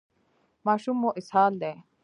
ماشوم مو اسهال دی؟